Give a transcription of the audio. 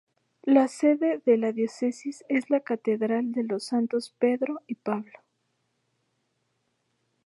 La sede de la Diócesis es la Catedral de los santos Pedro y Pablo.